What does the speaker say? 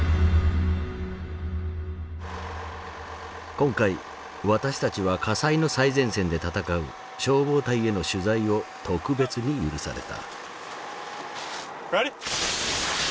今回私たちは火災の最前線で闘う消防隊への取材を特別に許された。